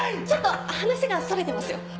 ちょっと話がそれてますよ。